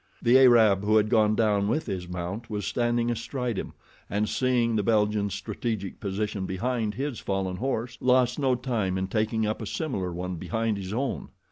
The Arab, who had gone down with his mount, was standing astride him, and seeing the Belgian's strategic position behind his fallen horse, lost no time in taking up a similar one behind his own.